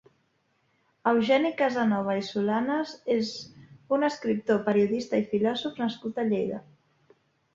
Eugeni Casanova i Solanes és un escriptor, periodista i filòsof nascut a Lleida.